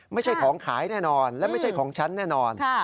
ไม่ใช่ของขายแน่นอนและไม่ใช่ของฉันแน่นอน